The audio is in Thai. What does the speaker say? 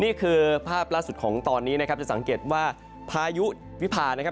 นี่คือภาพล่าสุดของตอนนี้นะครับจะสังเกตว่าพายุวิพานะครับ